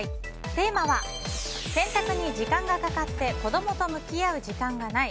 テーマは洗濯に時間がかかって子供と向き合う時間がない。